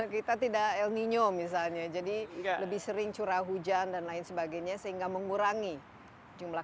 kita tidak el nino misalnya jadi lebih sering curah hujan dan lain sebagainya sehingga mengurangi jumlah